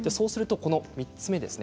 ３つ目ですね。